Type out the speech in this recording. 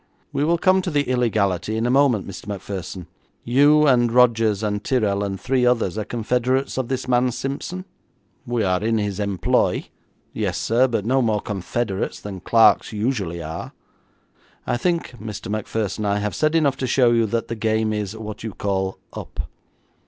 'We will come to the illegality in a moment, Mr. Macpherson. You, and Rogers, and Tyrrel, and three others, are confederates of this man Simpson.' 'We are in his employ; yes, sir, but no more confederates than clerks usually are.' 'I think, Mr. Macpherson, I have said enough to show you that the game is, what you call, up.